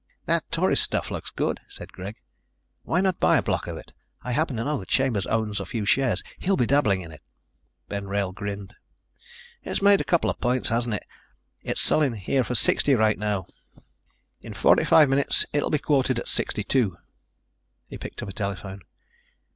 "That Tourist stuff looks good," said Greg. "Why not buy a block of it? I happen to know that Chambers owns a few shares. He'll be dabbling in it." Ben Wrail grinned. "It's made a couple of points, hasn't it? It's selling here for 60 right now. In 45 minutes it'll be quoted at 62." He picked up a telephone.